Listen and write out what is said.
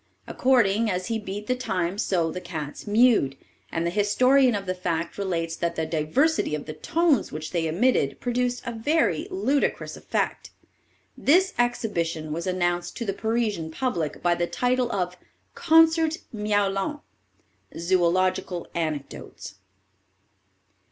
According as he beat the time so the cats mewed; and the historian of the FACT relates that the diversity of the tones which they emitted produced a very ludicrous effect. This exhibition was announced to the Parisian public by the title of _Concert Miaulant." Zoological Anecdotes.